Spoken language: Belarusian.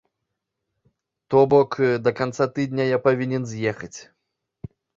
То бок, да канца тыдня я павінен з'ехаць.